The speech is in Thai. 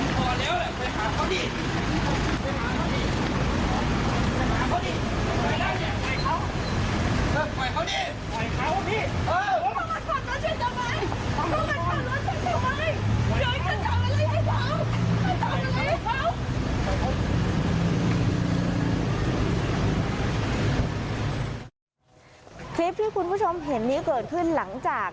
คลิปที่คุณผู้ชมเห็นนี้เกิดขึ้นหลังจาก